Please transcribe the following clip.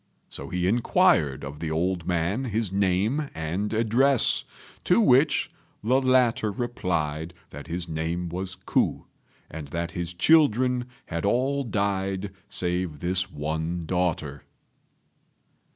So he inquired of the old man his name and address, to which the latter replied that his name was Ku, and that his children had all died save this one daughter.